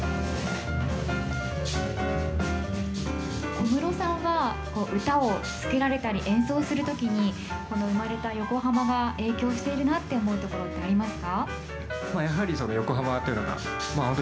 小室さんは歌を作られたり、演奏する時に生まれた横浜が影響しているなって思うところってありますか？